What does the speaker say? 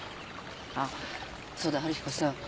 あっそうだ春彦さん。